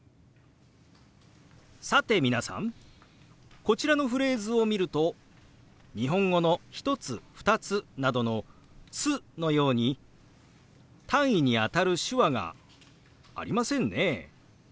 さて皆さんこちらのフレーズを見ると日本語の「１つ」「２つ」などの「つ」のように単位にあたる手話がありませんね。